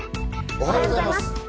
おはようございます。